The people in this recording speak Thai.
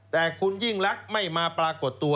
แต่คุณยิ่งรักไม่มาปรากฏตัว